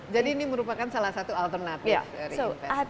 jadi ini merupakan salah satu alternatif